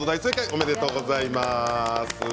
おめでとうございます。